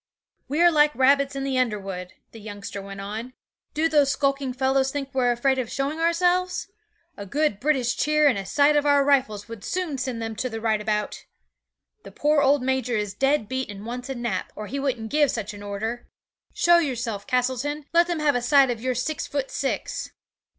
'"We're like rabbits in the underwood," the youngster went on. "Do those skulking fellows think we're afraid of showing ourselves? A good British cheer and a sight of our rifles would soon send them to the right about. The poor old major is dead beat and wants a nap, or he wouldn't give such an order. Show yourself, Castleton; let them have a sight of your six foot six.